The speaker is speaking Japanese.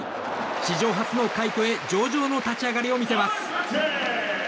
史上初の快挙へ上々の立ち上がりを見せます。